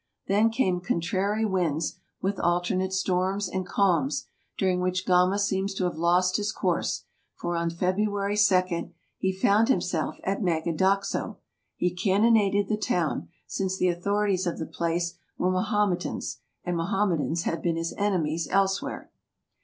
Then came contrary winds, with alternate storms and calms, during which Gama seems to have lost his course, for on February 2 he found himself at Maga THE EARLY EXPLORERS 41 doxo. He cannonaded the town, since the authorities of the place were Mahometans, and Mahometans had been his enemies elsewhere.